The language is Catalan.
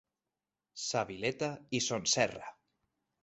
Sa Vileta i Son Serra.